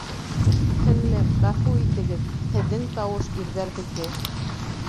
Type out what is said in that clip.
Һеңлем, ғәфү итегеҙ, һеҙҙең тауыш ирҙәрҙеке!